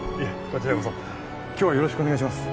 こちらこそ今日はよろしくお願いします